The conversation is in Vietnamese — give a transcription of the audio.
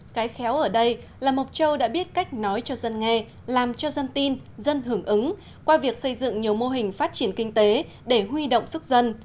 cái khéo ở đây là mộc châu đã biết cách nói cho dân nghe làm cho dân tin dân hưởng ứng qua việc xây dựng nhiều mô hình phát triển kinh tế để huy động sức dân